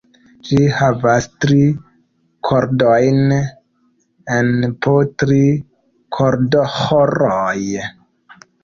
Ĝi havas tri kordojn en po tri kordoĥoroj.